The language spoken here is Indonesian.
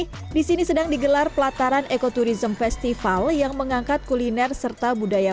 ini disini sedang digelar pelataran ekoturism festival yang mengangkat kuliner serta budaya